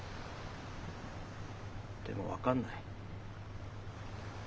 でも分かんない。